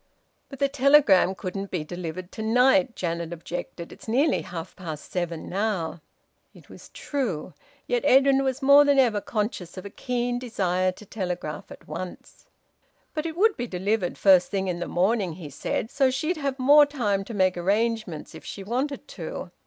"But the telegram couldn't be delivered to night," Janet objected. "It's nearly half past seven now." It was true. Yet Edwin was more than ever conscious of a keen desire to telegraph at once. "But it would be delivered first thing in the morning," he said. "So that she'd have more time to make arrangements if she wanted to."